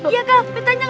iya kan petanya